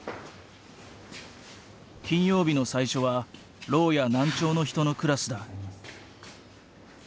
金曜日の最初はろうや難聴の人のクラスだ。